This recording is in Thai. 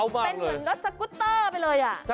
เป็นเหมือนรถสกุตเตอร์ไปเลย